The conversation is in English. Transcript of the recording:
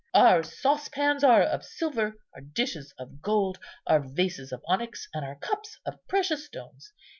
Our saucepans are of silver, our dishes of gold, our vases of onyx, and our cups of precious stones.